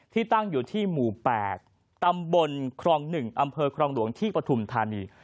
ตั้งอยู่ที่หมู่๘ตำบลครอง๑อำเภอครองหลวงที่ปฐุมธานี